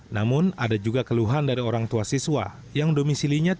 namun ada juga keluhan dari orang tua siswa yang domisilinya